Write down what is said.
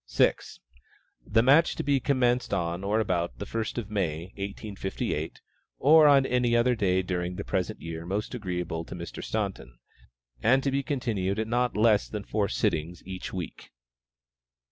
6. The match to be commenced on or about the first of May, 1858, (or on any other day during the present year most agreeable to Mr. Staunton,) and to be continued at not less than four sittings each week.